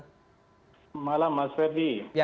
selamat malam mas ferdie